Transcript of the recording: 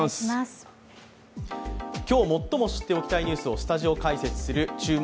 今日最も知っておきたいニュースをスタジオ解説する、「注目！